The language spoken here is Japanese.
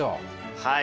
はい。